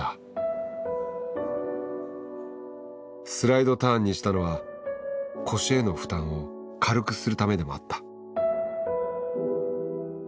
スライドターンにしたのは腰への負担を軽くするためでもあった。